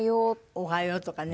「おはよう」とかね。